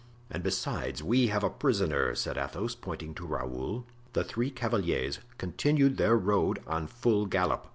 "And besides, we have a prisoner," said Athos, pointing to Raoul. The three cavaliers continued their road on full gallop.